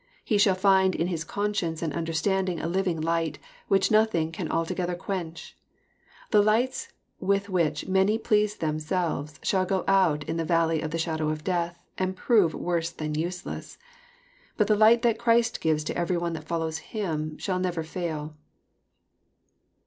He shall find in his conscience and understanding a living light, which nothing can altogether quench. The lights with which many please themselves shall go out in the valley of the shadow of death, and prove worse than useless. But the light that Christ gives to every one that follows Him shall never fail.